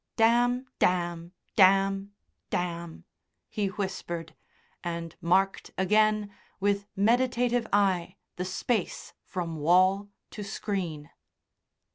"Damn, damn, damn, damn," he whispered, and marked again, with meditative eye, the space from wall to screen.